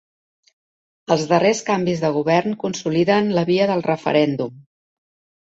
Els darrers canvis de govern consoliden la via del referèndum.